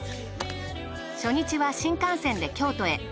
初日は新幹線で京都へ。